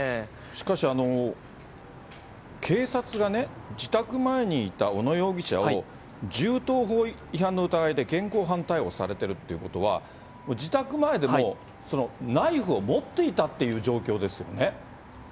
しかし、警察がね、自宅前にいた小野容疑者を、銃刀法違反の疑いで現行犯逮捕されてるってことは、自宅前でもう、ナイフを持っていたという状況ですよね。